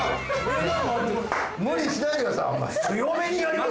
無理しないでくださいあんま。